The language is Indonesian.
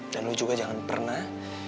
dan lo juga jangan pernah